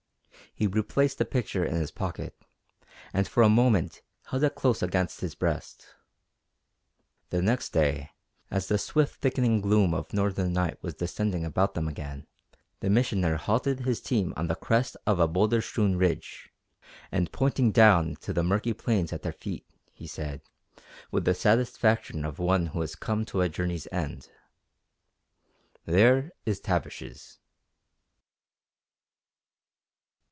He replaced the picture in his pocket, and for a moment held it close against his breast. The next day, as the swift thickening gloom of northern night was descending about them again, the Missioner halted his team on the crest of a boulder strewn ridge, and pointing down into the murky plain at their feet he said, with the satisfaction of one who has come to a journey's end: "There is Tavish's."